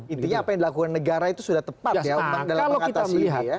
intinya apa yang dilakukan negara itu sudah tepat ya dalam mengatasi ini ya